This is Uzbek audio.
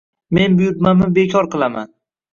Men buyurtmamni beкоr qilaman.